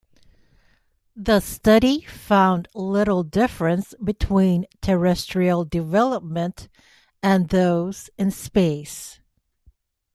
The study found little difference between terrestrial development and those in space.